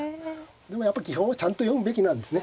でもやっぱり基本はちゃんと読むべきなんですね